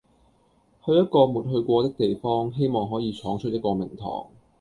去一個沒去過的地方，希望可以闖出一個名堂